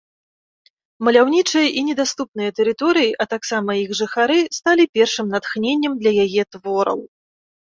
Маляўнічыя і недаступныя тэрыторыі, а таксама іх жыхары, сталі першым натхненнем для яе твораў.